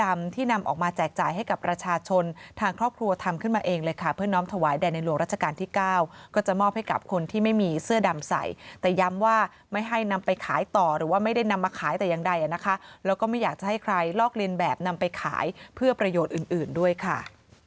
นำออกมาแจกจ่ายให้กับประชาชนทางครอบครัวทำขึ้นมาเองเลยค่ะเพื่อน้องถวายแด่ในหลวงราชการที่เก้าก็จะมอบให้กับคนที่ไม่มีเสื้อดำใส่แต่ย้ำว่าไม่ให้นำไปขายต่อหรือว่าไม่ได้นำมาขายแต่อย่างใดนะคะแล้วก็ไม่อยากจะให้ใครลอกเลียนแบบนำไปขายเพื่อประโยชน์อื่นอื่นด้วยค่ะ